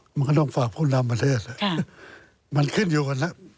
มันก็ต้องฝากผู้นำประเทศมันขึ้นอยู่กันแล้ว